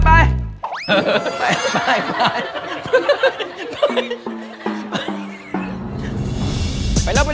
ไปเร็ว